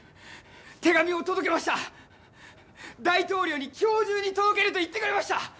手紙を届けました、大統領に今日中に届けると言ってくれました。